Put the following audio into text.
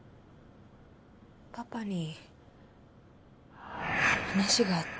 パパに話があって。